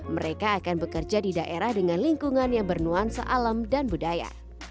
mereka akan bekerja di daerah dengan lingkungan yang bernuansa alam dan budaya